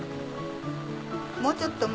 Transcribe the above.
もうちょっと。